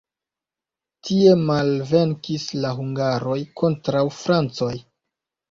Tie malvenkis la hungaroj kontraŭ francoj.